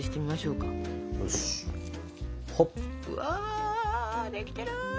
うわできてる！